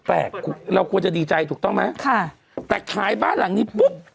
เราควรจะดีใจถูกต้องไหมค่ะแต่ขายบ้านหลังนี้ปุ๊บ